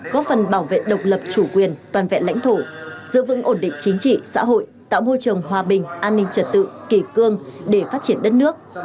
góp phần bảo vệ độc lập chủ quyền toàn vẹn lãnh thổ giữ vững ổn định chính trị xã hội tạo môi trường hòa bình an ninh trật tự kỷ cương để phát triển đất nước